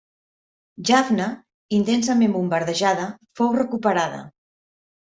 Jaffna, intensament bombardejada, fou recuperada.